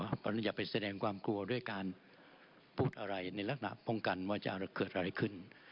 เพราะฉะนั้นอย่าไปแสดงความกลัวด้วยการพูดอะไรในลักษณะป้องกันว่าจะเกิดอะไรขึ้น